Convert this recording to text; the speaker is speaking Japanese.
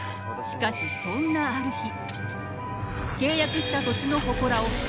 しかしそんなある日。